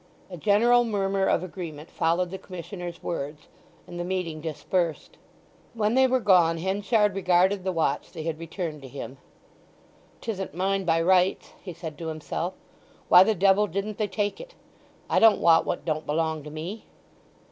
A general murmur of agreement followed the Commissioner's words, and the meeting dispersed. When they were gone Henchard regarded the watch they had returned to him. "'Tisn't mine by rights," he said to himself. "Why the devil didn't they take it?—I don't want what don't belong to me!"